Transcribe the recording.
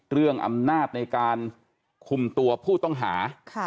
เรื่องอำนาจในการคุมตัวผู้ต้องหา